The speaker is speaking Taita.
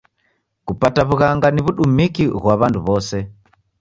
Kupata w'ughanga ni w'udumiki ghwa w'andu w'ose.